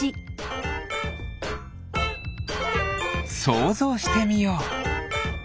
そうぞうしてみよう。